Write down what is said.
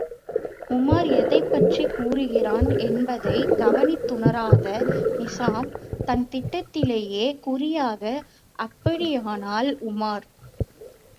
உமார் எதைப்பற்றிக் கூறுகிறான் என்பதைக் கவனித்துணராத நிசாம், தன் திட்டத்திலேயே குறியாக, அப்படியானால், உமார்!